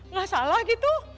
ga salah gitu